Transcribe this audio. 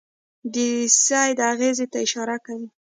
د سید اغېزې ته اشاره کوي.